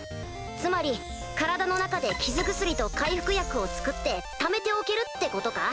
つまり体の中で傷薬と回復薬を作ってためておけるってことか？